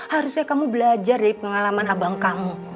harusnya kamu belajar dari pengalaman abang kamu